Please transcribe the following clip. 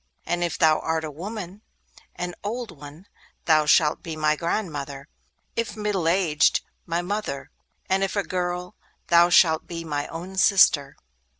And if thou art a woman, and an old one, thou shalt be my grandmother; if middle aged, my mother; and if a girl, thou shalt be my own sister.